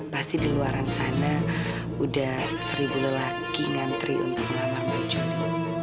pasti di luar sana udah seribu lelaki ngantri untuk melamar mbak juli